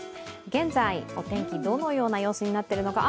現在、お天気どのような様子になっているのか。